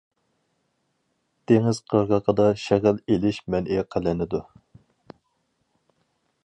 دېڭىز قىرغىقىدا شېغىل ئېلىش مەنئى قىلىنىدۇ.